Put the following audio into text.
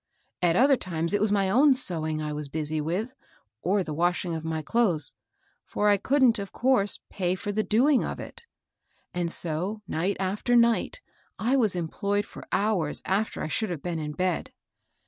At other times it was my own sewing I was busy with, or the washing of my clothes, — for I couldn't, of course, pay for the doing of it ; and so night after night I was employed for hours af ter I should have been in bed.